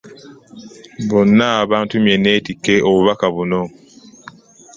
Bonna bantumye nneetikke obubaka buno.